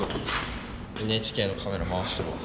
ＮＨＫのカメラ回しとるわ。